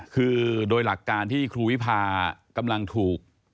คือโดยหลักการที่ครูวิพากำลังถูก